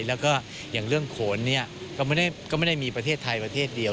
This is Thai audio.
แล้วก็อย่างเรื่องโขนเนี่ยก็ไม่ได้มีประเทศไทยประเทศเดียว